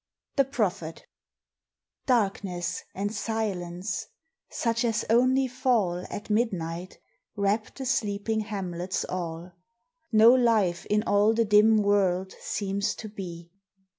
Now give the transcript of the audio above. The Prophet. DARKNESS and silence, such as only fall At midnight, wrap the sleeping hamlets all; No life in all the dim world seems to be.